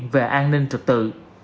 về an ninh trực tự